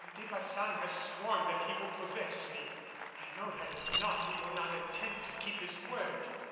De Baçan has sworn that he will possess me. I know there is naught he will not attempt to keep his word.